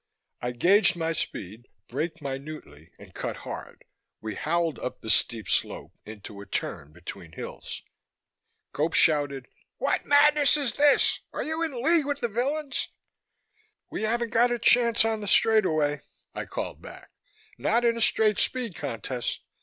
I gauged my speed, braked minutely, and cut hard. We howled up the steep slope, into a turn between hills. Gope shouted, "What madness is this? Are you in league with the villains...?" "We haven't got a chance on the straightaway," I called back. "Not in a straight speed contest."